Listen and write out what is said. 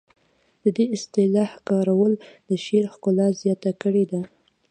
د دې اصطلاح کارول د شعر ښکلا زیاته کړې ده